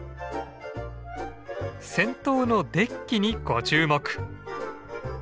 先頭のデッキにご注目！